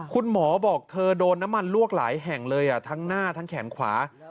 คุณหมอบอกเธอโดนน้ำมันลวกหลายแห่งเลยทั้งหน้าทั้งแขนขวา